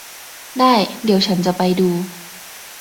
ได้ เดี๋ยวฉันจะไปดู